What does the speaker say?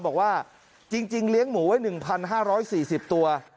บอกว่าจริงจริงเลี้ยงหมูไว้หนึ่งพันห้าร้อยสี่สิบตัว